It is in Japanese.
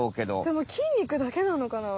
でも筋にくだけなのかな？